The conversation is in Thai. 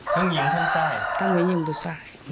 ต้องหยิงต้นไส้ต้องหยิงต้นไส้